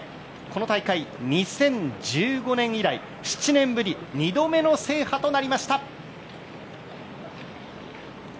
この大会、２０１５年以来、７年ぶり２度目の制覇となりました。